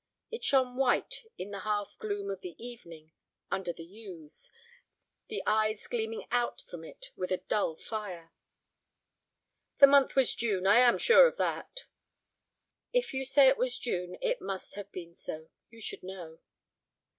It shone white in the half gloom of the evening under the yews, the eyes gleaming out from it with a dull fire. "The month was June; I am sure of that." "If you say it was June it must have been so. You should know."